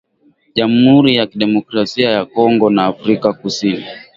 Jamuhuri ya Kidemokrasia ya Kongo na Afrika kusini